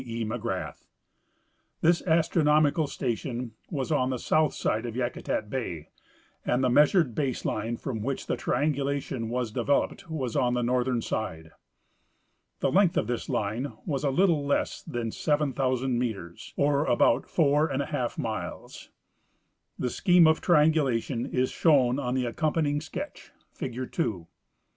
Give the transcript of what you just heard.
E. McGrath. The astronomical sta tion was on the southern side of Yakutat bay, and the measured base line from which the triangulation was developed w^as on the northern side. The length of this line was a little less than 7,000 metres, or about four and a half miles. The scheme of triangulation is shown on the accompanjdng sketch (figure 2).